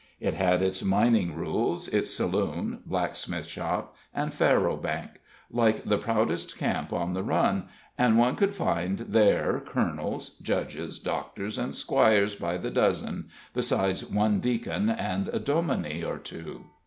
It had its mining rules, its saloon, blacksmith shop, and faro bank, like the proudest camp on the Run, and one could find there colonels, judges, doctors, and squires by the dozen, besides one deacon and a dominie or two.